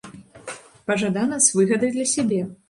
Пажадана, з выгадай для сябе.